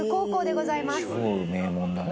超名門だね